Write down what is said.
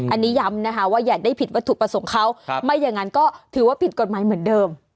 อันนี้ย้ำนะคะว่าอย่าได้ผิดวัตถุประสงค์เขาไม่อย่างนั้นก็ถือว่าผิดกฎหมายเหมือนเดิม